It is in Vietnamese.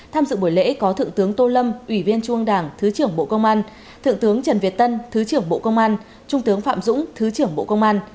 tham dự buổi lễ có thượng tướng tô lâm ủy viên trung ương đảng thứ trưởng bộ công an thượng tướng trần việt tân thứ trưởng bộ công an trung tướng phạm dũng thứ trưởng bộ công an